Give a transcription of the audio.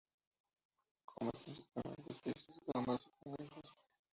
Come principalmente peces, gambas y cangrejos.